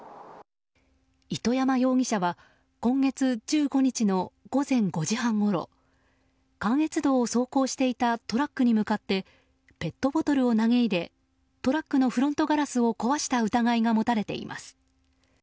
糸山容疑者は今月１５日の午前５時半ごろ関越道を走行していたトラックに向かってペットボトルを投げ入れトラックのフロントガラスを壊した疑いが持たれています。